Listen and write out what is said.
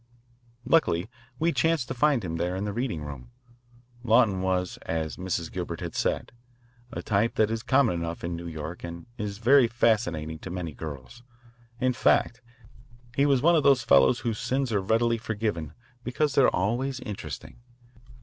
Luckily we chanced to find him there in the reading room. Lawton was, as Mrs. Gilbert had said, a type that is common enough in New York and is very fascinating to many girls. In fact, he was one of those fellows whose sins are readily forgiven because they are always interesting.